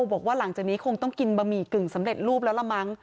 บอกว่าหลังจากนี้คงต้องกินบะหมี่กึ่งสำเร็จรูปแล้วละมั้ง